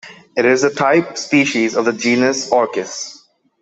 It is the type species of the genus Orchis.